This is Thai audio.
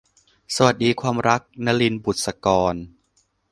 สวัสดีความรัก - นลิน บุษกร